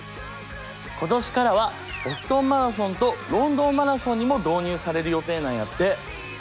今年からはボストンマラソンとロンドンマラソンにも導入される予定なんやって。